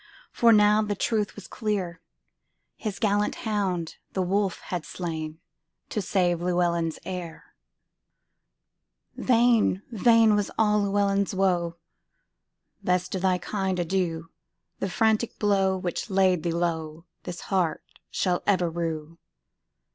For now the truth was clear; His gallant hound the wolf had slainTo save Llewelyn's heir:Vain, vain was all Llewelyn's woe;"Best of thy kind, adieu! The frantic blow which laid thee lowThis heart shall ever rue."